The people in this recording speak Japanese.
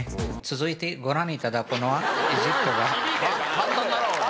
簡単だなおい。